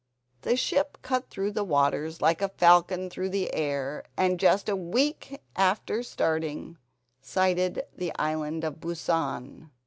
The ship cut through the waters like a falcon through the air, and just a week after starting sighted the Island of Busan.